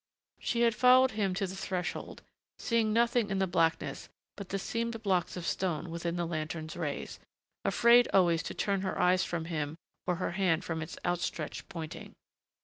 She had followed him to the threshold, seeing nothing in the blackness but the seamed blocks of stone within the lantern's rays, afraid always to turn her eyes from him or her hand from its outstretched pointing.